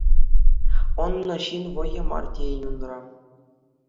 Ӑннӑ ҫын вӑйӗ мар тейӗн унра.